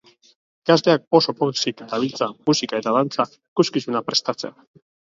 Ikasleak oso pozik dabiltza musika eta dantza ikuskizuna prestatzen.